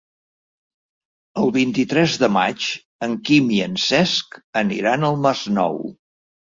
El vint-i-tres de maig en Quim i en Cesc aniran al Masnou.